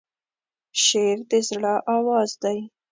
شعر د زړه آواز دی.